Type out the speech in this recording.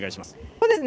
そうですね。